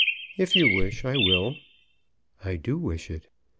] "If you wish it, I will." "I do wish it.